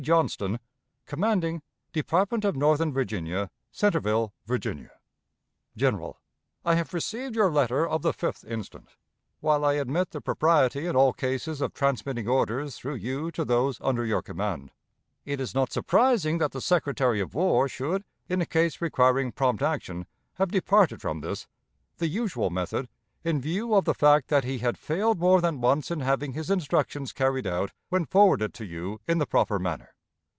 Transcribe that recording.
Johnston, commanding Department of Northern Virginia, Centreville, Virginia. "General: I have received your letter of the 5th instant. While I admit the propriety in all cases of transmitting orders through you to those under your command, it is not surprising that the Secretary of War should, in a case requiring prompt action, have departed from this, the usual method, in view of the fact that he had failed more than once in having his instructions carried out when forwarded to you in the proper manner.